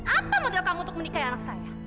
apa modal kamu untuk menikahi anak saya